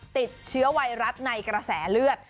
ติดเชื้อไวรัสในกระแสเลือด